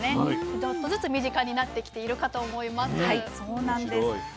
ちょっとずつ身近になってきているかと思います。